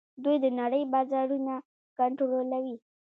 دوی د نړۍ بازارونه کنټرولوي.